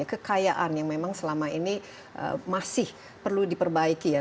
kekayaan yang memang selama ini masih perlu diperbaiki ya